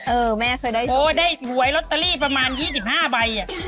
เออแม่เคยได้โอ้ได้หวยลอตเตอรี่ประมาณ๒๕ใบอ่ะ